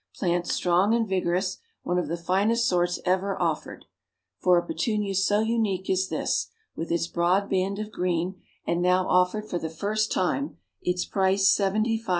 Plants strong and vigorous; one of the finest sorts ever offered." For a Petunia so unique as this, with its broad band of green, and now offered for the first time; its price, 75 cents, is low.